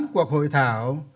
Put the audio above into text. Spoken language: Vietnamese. tám cuộc hội thảo